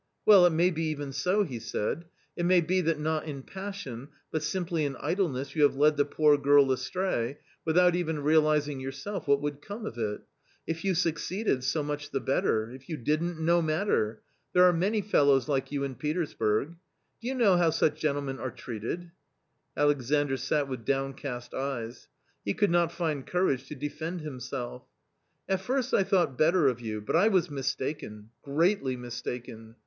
"Well, it may be even so !" he said ;" it may be that not in passion but simply in idleness you have led the poor girl astray, without even realising yourself what would come of it ; if you succeeded, so much the better — if you didn't, no matter ! There are many fellows like you in Petersburg. Do you know how such gentlemen are treated ?" Alexandr sat with downcast eyes. He could not find courage to defend himself. " At first I thought better of you, but I was mistaken, greatly mistaken